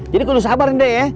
jadi harus sabar nih deh ya